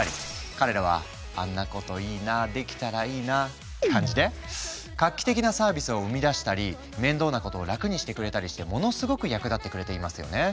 彼らはあんなこといいなできたらいいなって感じで画期的なサービスを生み出したり面倒なことを楽にしてくれたりしてものすごく役立ってくれていますよね。